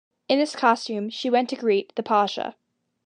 In this costume she went to greet the Pasha.